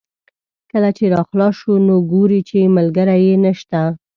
کله چې را خلاص شو نو ګوري چې ملګری یې نشته.